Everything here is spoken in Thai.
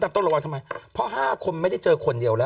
ต้องระวังทำไมเพราะ๕คนไม่ได้เจอคนเดียวแล้ว